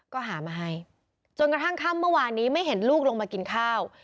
ก็หามาให้จนกระทั่งค่ำเมื่อวานนี้ไม่เห็นลูกลงมากินข้าว